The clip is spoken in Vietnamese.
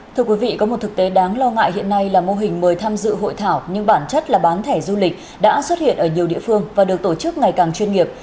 thưa quý vị có một thực tế đáng lo ngại hiện nay là mô hình mời tham dự hội thảo nhưng bản chất là bán thẻ du lịch đã xuất hiện ở nhiều địa phương và được tổ chức ngày càng chuyên nghiệp